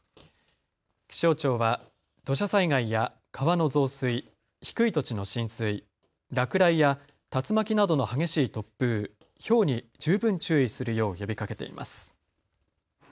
気象庁は土砂災害や川の増水、低い土地の浸水、落雷や竜巻などの激しい突風、ひょうに十分注意するよう呼びかけています。